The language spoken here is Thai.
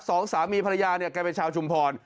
สองสามีภรรยากลายเป็นชาวฉุมพร